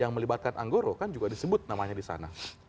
yang melibatkan anggota kan juga disebut namanya di sana